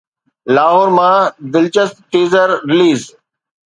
لاهور مان دلچسپ teaser release